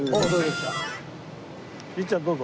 律ちゃんどうぞ。